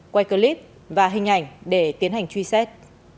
quay clip và hình ảnh để tiến hành truy xét